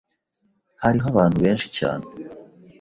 Hariho abantu benshi cyane.